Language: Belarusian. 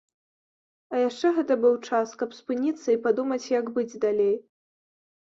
А яшчэ гэта быў час, каб спыніцца і падумаць, як быць далей.